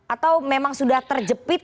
atau memang sudah terjepit